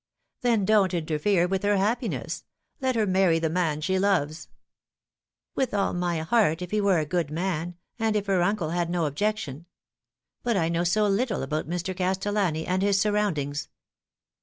"Then don't interfere with her happiness. Let her marry the man she loves." " With all my heart, if he were a good man, and if her uncle had no objection. But I know so little about Mr. Castellan! and his surroundings."